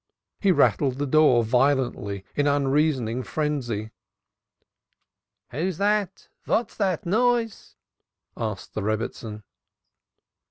He rattled the door violently in unreasoning frenzy. "Who's that? What's that noise?" asked the Rebbitzin.